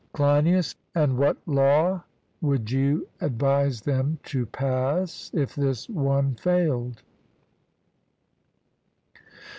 CLEINIAS: And what law would you advise them to pass if this one failed?